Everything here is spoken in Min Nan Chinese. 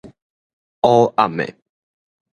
烏暗的